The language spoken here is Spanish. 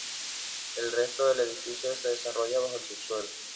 El resto del edificio se desarrolla bajo el subsuelo.